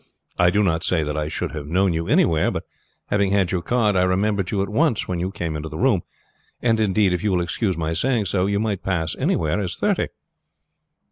I do not say that I should have known you anywhere, but having had your card I remembered you at once when you came into the room; and, indeed, if you will excuse my saying so, you might pass anywhere as thirty."